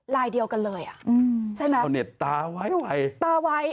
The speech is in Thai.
ลายเดียวกันเลยอ่ะอืมใช่ไหมชาวเน็ตตาไว้ไวตาไว้